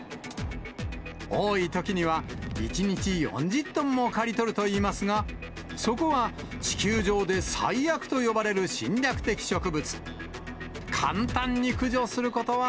多いときには１日４０トンも刈り取るといいますが、そこは、地球上で最悪と呼ばれる侵略的植物。